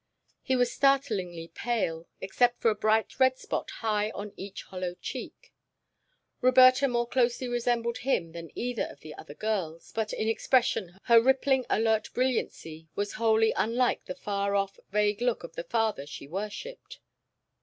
He was startlingly pale, except for a bright red spot high on each hollow cheek. Roberta more closely resembled him than either of the other girls, but in expression her rippling, alert brilliancy was wholly unlike the far off, vague look of the father she worshipped.